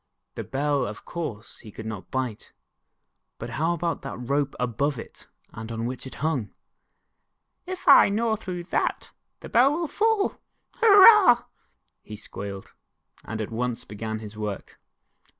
The Bell, of course, he could not bite, but how about that rope above it and on which it hunor ?" If I gnaw through that, the Bell will fall hurrah," he squealed, and at once began his work.